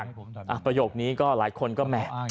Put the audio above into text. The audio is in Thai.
นะฮะประโยคนี้ก็หลายคนก็แหม่บ